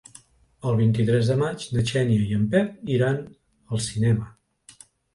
El vint-i-tres de maig na Xènia i en Pep iran al cinema.